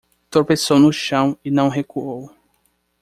Tropeçou no chão e não recuou